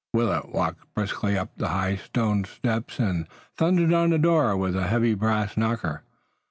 Willet walked briskly up the high stone steps and thundered on the door with a heavy brass knocker.